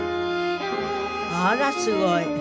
あらすごい。